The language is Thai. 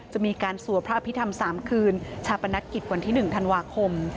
จะมีการสวดพระอภิษฐรรม๓คืนชาปนกิจวันที่๑ธันวาคม